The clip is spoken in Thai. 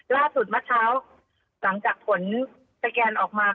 เมื่อเช้าหลังจากผลสแกนออกมา